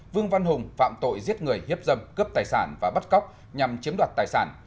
vương văn hùng phạm tội giết người hiếp dâm cướp tài sản và bắt cóc nhằm chiếm đoạt tài sản